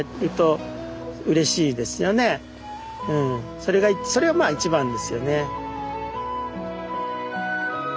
それがそれがまあ一番ですよね。